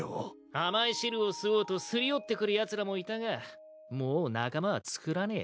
甘い汁を吸おうとすり寄ってくるやつらもいたがもう仲間はつくらねえ。